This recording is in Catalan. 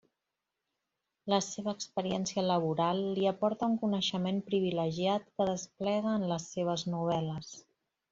La seva experiència laboral li aporta un coneixement privilegiat que desplega en les seves novel·les.